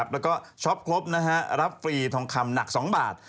แล้วก็ช็อปครบรับฟรีทองคำหนัก๒บาท